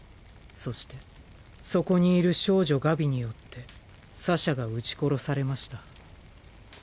そしてそこにいる少女ガビによってサシャが撃ち殺されました。